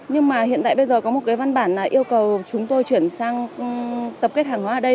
nhưng mà hiện tại bây giờ có một cái văn bản là yêu cầu chúng tôi chuyển sang tập kết hàng hóa ở đây